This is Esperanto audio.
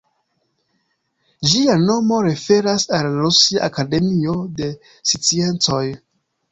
Ĝia nomo referas al la Rusia Akademio de Sciencoj.